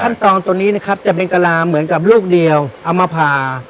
ตัวนี้นะครับจะเป็นกะลาเหมือนกับลูกเดียวเอามาผ่า